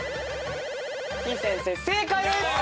てぃ先生正解です！